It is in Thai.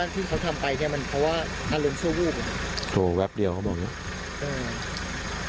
ที่รู้สึกฟักเขาบอกนี่